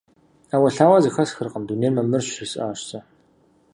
– Ӏэуэлъауэ зэхэсхыркъым, дунейр мамырщ, – жысӀащ сэ.